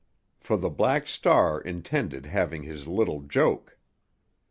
For the Black Star intended having his little joke.